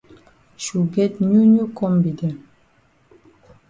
Shu get new new kombi dem.